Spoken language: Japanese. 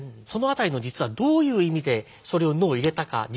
その辺りの実はどういう意味でそれを「の」を入れたか。